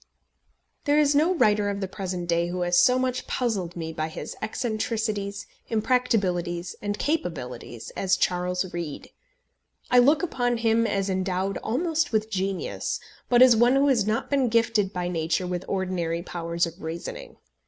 There is no writer of the present day who has so much puzzled me by his eccentricities, impracticabilities, and capabilities as Charles Reade. I look upon him as endowed almost with genius, but as one who has not been gifted by nature with ordinary powers of reasoning.